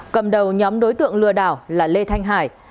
cầm đầu nhóm đối tượng lừa đảo là lê thanh hải